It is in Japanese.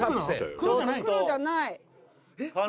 「黒じゃないの？」